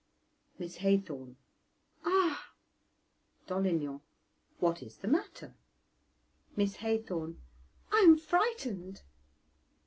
Miss Haythorn. Ah! Dolignan. What is the matter? Miss Haythorn. I am frightened.